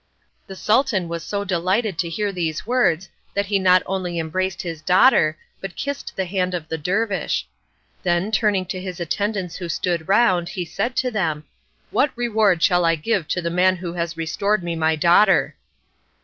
The Sultan was so delighted to hear these words that he not only embraced his daughter, but kissed the hand of the dervish. Then, turning to his attendants who stood round, he said to them, "What reward shall I give to the man who has restored me my daughter?"